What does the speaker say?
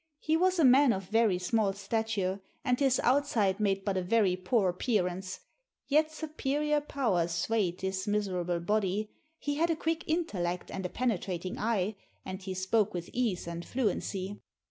" He was a man of very small stature, and his outside made but a very poor appearance; yet superior powers swayed this miserable body; he had a quick intellect and a penetrating eye, and he spoke with ease and fluency.